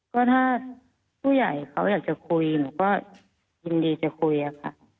ก็ถ้าผู้ใหญ่เขาอยากจะคุยหนูก็ยินดีจะคุยค่ะ